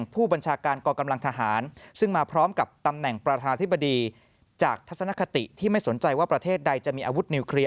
ประธานาธิบดีจากทัศนคติที่ไม่สนใจว่าประเทศใดจะมีอาวุธนิวเคลียร์